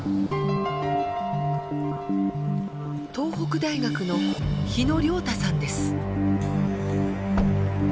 東北大学の日野亮太さんです。